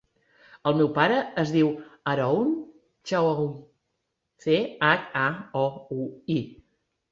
El meu pare es diu Haroun Chaoui: ce, hac, a, o, u, i.